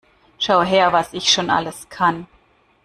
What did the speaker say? Schau her, was ich schon alles kann!